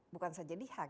bukan saja di hak